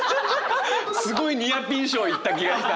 すごいニアピン賞いった気がした。